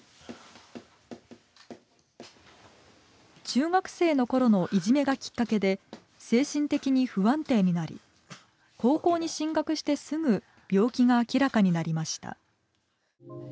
中学生の頃のいじめがきっかけで精神的に不安定になり高校に進学してすぐ病気が明らかになりました。